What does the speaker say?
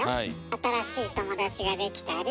新しい友達ができたり。